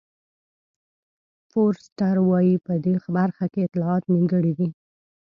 فورسټر وایي په دې برخه کې اطلاعات نیمګړي دي.